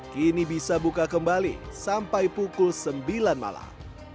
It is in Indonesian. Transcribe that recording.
kini bisa buka kembali sampai pukul sembilan malam